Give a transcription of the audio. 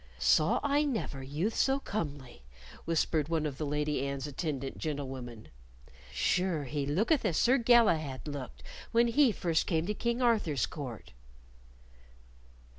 "Saw I never youth so comely," whispered one of the Lady Anne's attendant gentlewomen. "Sure he looketh as Sir Galahad looked when he came first to King Arthur's court."